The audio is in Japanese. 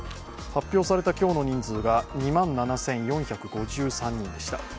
発表された今日の人数が２万７４５３人でした。